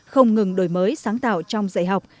không ngừng đổi mới sáng tạo trong dạy học